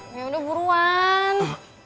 ya udah buruan